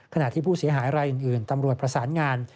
ขณะที่ผู้เสียหายรายอื่นตำรวจประสานงาน